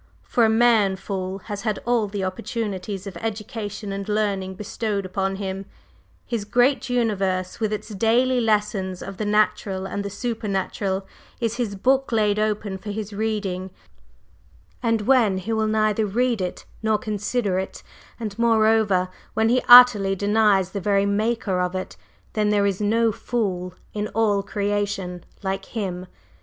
For a man fool has had all the opportunities of education and learning bestowed upon him; this great universe, with its daily lessons of the natural and the supernatural, is his book laid open for his reading, and when he will neither read it nor consider it, and, moreover, when he utterly denies the very Maker of it, then there is no fool in all creation like him.